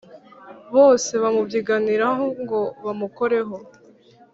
bose bamubyiganiraho ngo bamukoreho